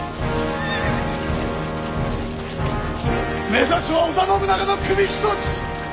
目指すは織田信長の首一つ！